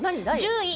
１０位